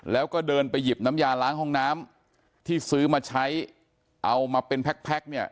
แล้วก็เดินไปหยิบน้ำยาล้างห้องน้ำที่ซื้อมาใช้เอามาเป็นแพ็คเนี่ย